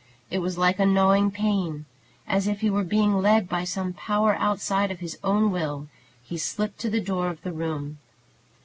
It was like a gnawing pain. As if he were being led by some power outside of his own will, he slipped to the door of the room.